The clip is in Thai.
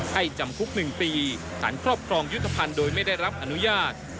จำคุก๑ปีสารครอบครองยุทธภัณฑ์โดยไม่ได้รับอนุญาต